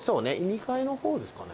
２階の方ですかね。